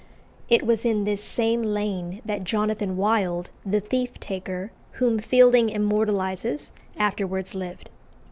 It was in this same lane that Jonathan Wild, the thief taker, whom Fielding immortalises, afterwards lived.